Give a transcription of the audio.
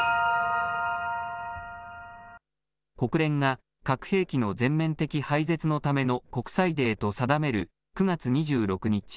国連が核兵器の全面的廃絶のための国際デーと定める９月２６日。